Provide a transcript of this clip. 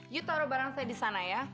you taruh barang saya disana ya